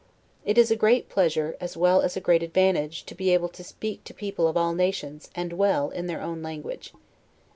It is a great pleasure, as well as a great advantage, to be able to speak to people of all nations, and well, in their own language.